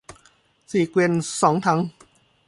สี่เกวียน สองถัง